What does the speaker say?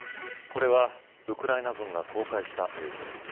これはウクライナ軍が公開した映像。